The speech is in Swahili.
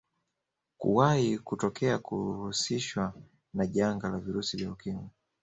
Kuwahi kutokea kuhusishwa na janga la virusi vya Ukimwi